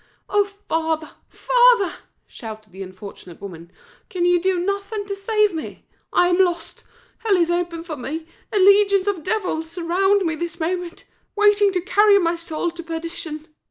"Oh, father, father," shouted the unfortunate woman, "can you do nothing to save me? I am lost; hell is open for me, and legions of devils surround me this moment, waiting to carry my soul to perdition."